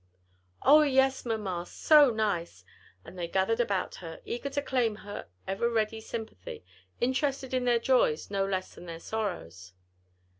"O, yes, mamma, so nice!" and they gathered about her, eager to claim her ever ready sympathy, interested in their joys no less than their sorrows.